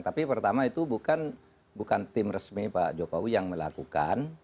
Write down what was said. tapi pertama itu bukan tim resmi pak jokowi yang melakukan